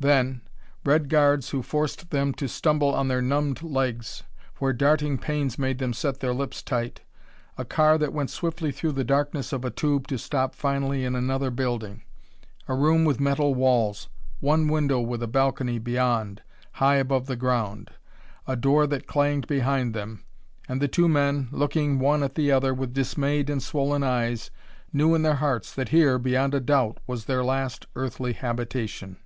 Then red guards who forced them to stumble on their numbed legs, where darting pains made them set their lips tight a car that went swiftly through the darkness of a tube to stop finally in another building a room with metal walls, one window with a balcony beyond, high above the ground a door that clanged behind them; and the two men, looking one at the other with dismayed and swollen eyes, knew in their hearts that here, beyond a doubt, was their last earthly habitation.